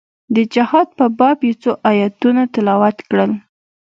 د جهاد په باب يې څو ايتونه تلاوت کړل.